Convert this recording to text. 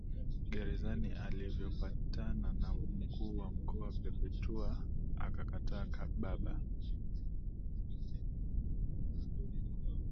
gerezani alivyopatana na mkuu wa mkoa Perpetua akakataa Baba